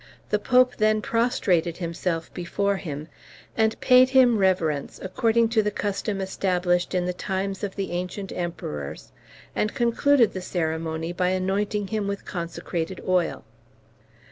The Pope then prostrated himself before him, and paid him reverence, according to the custom established in the times of the ancient Emperors, and concluded the ceremony by anointing him with consecrated oil.